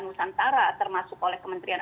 nusantara termasuk oleh kementerian